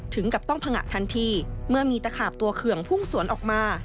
ถึงกับต้องผงะทันทีเมื่อมีตะขาบตัวเคืองพุ่งสวนออกมา